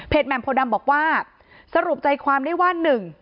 เพจแมมโพดัมบอกว่าสรุปใจความได้ว่า๑